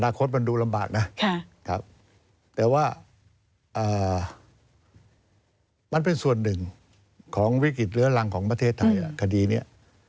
คดมันดูลำบากนะแต่ว่ามันเป็นส่วนหนึ่งของวิกฤตเรื้อรังของประเทศไทยล่ะคดีนี้